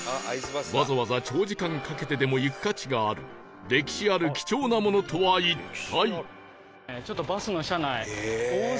わざわざ長時間かけてでも行く価値がある歴史ある貴重なものとは一体？